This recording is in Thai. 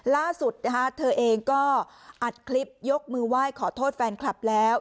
ล่าสุดนะคะเธอเองก็อัดคลิปยกมือไหว้ขอโทษแฟนคลับแล้ว